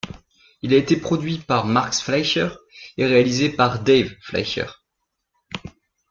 Il a été produit par Max Fleischer et réalisé par Dave Fleischer.